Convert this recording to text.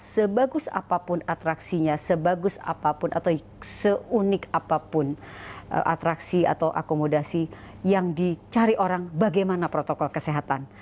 sebagus apapun atraksinya sebagus apapun atau seunik apapun atraksi atau akomodasi yang dicari orang bagaimana protokol kesehatan